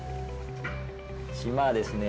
島はですね